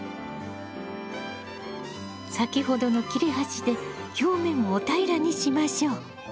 先ほどの切れ端で表面を平らにしましょう。